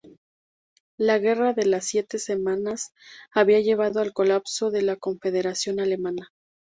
La Guerra de las Siete Semanas había llevado al colapso de la Confederación Alemana.